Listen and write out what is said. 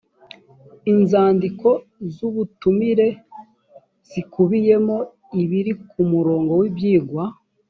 inzandiko z’ ubutumire zikubiyemo ibiri ku murongo w’ibyigwa